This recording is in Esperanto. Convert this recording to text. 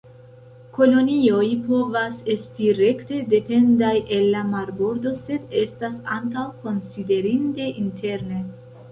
Kolonioj povas esti rekte dependaj el la marbordo sed estas ankaŭ konsiderinde interne.